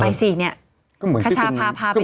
ไปซิแขชาพาไปดูหน่อย